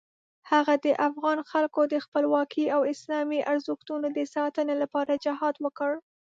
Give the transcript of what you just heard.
هغه د افغان خلکو د خپلواکۍ او اسلامي ارزښتونو د ساتنې لپاره جهاد وکړ.